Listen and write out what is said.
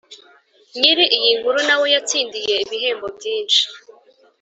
Nyiri iyi nkuru na we yatsindiye ibihembo byinshi